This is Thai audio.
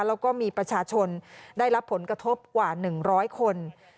แล้วก็มีประชาชนได้รับผลกระทบกว่า๑๐๐คน